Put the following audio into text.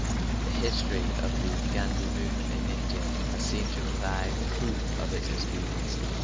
The history of the Gandhi movement in India has seemed to provide proof of its expediency.